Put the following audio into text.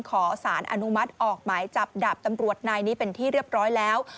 ขอสารอนุมัติออกหมายจับดาบตำรวจนายนี้เป็นที่เรียบร้อยแล้ว